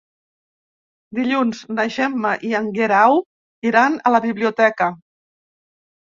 Dilluns na Gemma i en Guerau iran a la biblioteca.